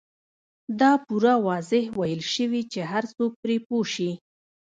دا پوره واضح ويل شوي چې هر څوک پرې پوه شي.